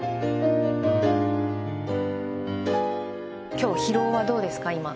きょう疲労はどうですか、今。